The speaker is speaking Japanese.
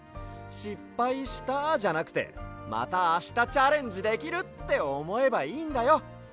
「しっぱいした」じゃなくて「またあしたチャレンジできる」っておもえばいいんだよ。